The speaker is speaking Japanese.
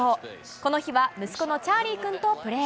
この日は息子のチャーリー君とプレー。